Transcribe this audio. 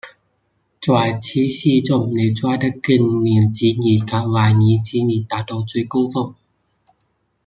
在此书中尼采的经验主义及怀疑主义达到最高峰。